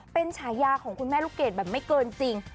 เป็นฉายาของคุณแม่ลูกเกดแบบไม่เกินจริง